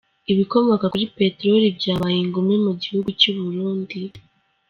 Ibikomoka kuri peteroli byabaye ingume Mugihugu Cyuburundi